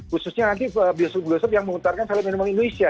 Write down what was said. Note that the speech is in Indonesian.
khususnya nanti bioskop bioskop yang mengutarkan film minum indonesia